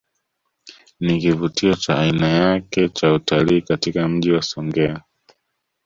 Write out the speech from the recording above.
Ni kivutio cha aina yake cha utalii katika Mji wa Songea